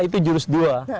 itu jurus dua